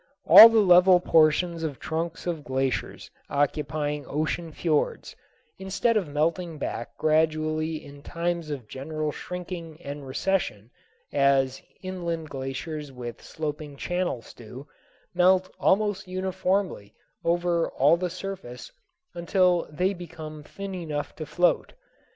All the level portions of trunks of glaciers occupying ocean fiords, instead of melting back gradually in times of general shrinking and recession, as inland glaciers with sloping channels do, melt almost uniformly over all the surface until they become thin enough to float.